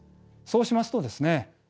そうしますとですね